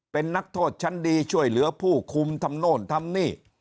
เป็นนักโทษชั้นดีช่วยเหลือผู้คุมทำโน่นทำนี่